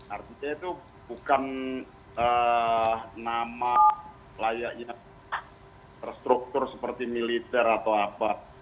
artinya itu bukan nama layaknya terstruktur seperti militer atau apa